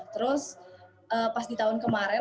terus pas di tahun kemarin